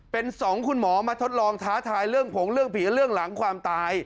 เป็นสองคุณหมอมาทดลองท้าทายเรื่องผงเรื่องผีเรื่องหลังความตาย